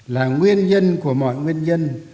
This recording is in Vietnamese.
là nguyên nhân của mọi nguyên nhân